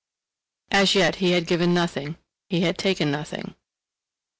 As yet he had given nothing, he had taken nothing.